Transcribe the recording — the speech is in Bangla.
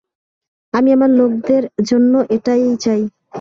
আমি আমার লোকেদের জন্যও এটাই চাই।